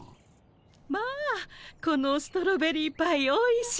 まあこのストロベリーパイおいしい。